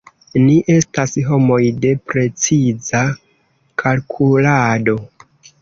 Ni estas homoj de preciza kalkulado.